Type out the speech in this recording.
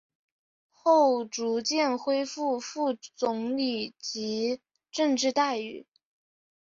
后逐渐恢复副总理级政治待遇。